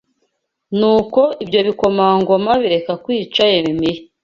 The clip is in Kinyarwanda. Nuko ibyo bikomangoma bireka kwica Yeremiya